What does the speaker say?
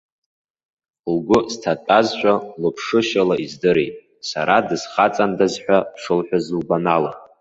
Лгәы сҭатәазшәа, лыԥшышьала издырит, сара дысхаҵандаз ҳәа шылҳәаз лгәанала.